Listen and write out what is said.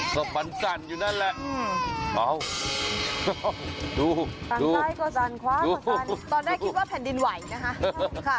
สบันสั่นอยู่นั่นแหละอ๋อดูดูดูตอนแรกคิดว่าแผ่นดินไหวนะคะ